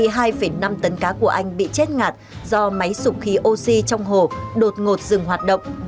hai năm tấn cá của anh bị chết ngạt do máy sụp khí oxy trong hồ đột ngột dừng hoạt động